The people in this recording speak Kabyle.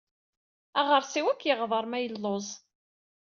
Aɣersiw ad k-yeɣḍer ma yelluẓ.